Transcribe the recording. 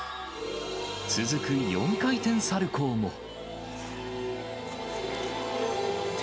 続く４回転サルコーも。